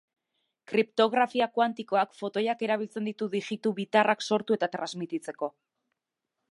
Kriptografia kuantikoak fotoiak erabiltzen ditu digitu bitarrak sortu eta transmititzeko.